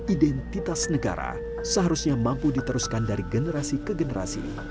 identitas negara seharusnya mampu diteruskan dari generasi ke generasi